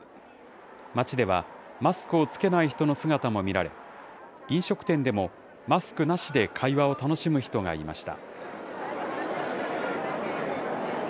街ではマスクを着けない人の姿も見られ、飲食店でも、マスクなしで会話を楽しむ人がいました。